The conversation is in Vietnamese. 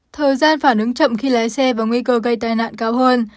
thời gian phản ứng chậm khi lái xe và nguy cơ gây tai nạn cao hơn